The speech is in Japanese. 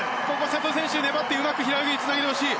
瀬戸選手、粘ってうまく平泳ぎにつなげてほしい。